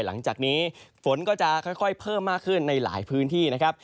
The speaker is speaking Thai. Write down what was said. หลังจากนี้ฝนก็จะค่อยเพิ่มมากขึ้นในหลายพื้นที่นะครับ